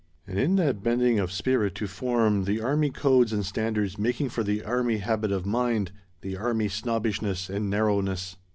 And in that bending of spirit to form, the army codes and standards making for the army habit of mind, the army snobbishness and narrowness.